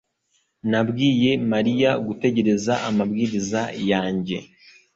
Nabwiye mariya gutegereza amabwiriza yanjye